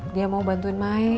dia mau bantuin may